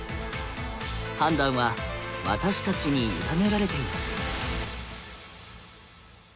判断は私たちに委ねられています。